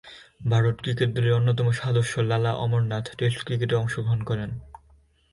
Bharat cricket দলের অন্যতম সদস্য লালা অমরনাথ টেস্ট ক্রিকেটে অংশগ্রহণ করেন।